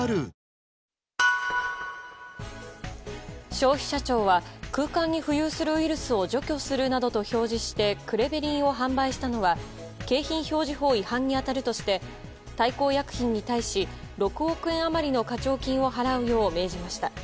消費者庁は空間に浮遊するウイルスを除去するなどと表示してクレベリンを販売したのは景品表示法違反に当たるとして大幸薬品に対し６億円余りの課徴金を払うよう命じました。